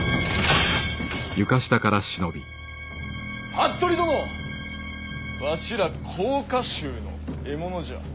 服部殿わしら甲賀衆の獲物じゃ。